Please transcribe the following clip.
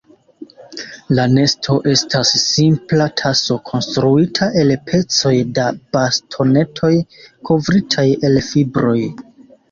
La nesto estas simpla taso konstruita el pecoj da bastonetoj kovritaj el fibroj.